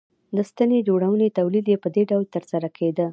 د ستنې جوړونې تولید یې په دې ډول ترسره کېده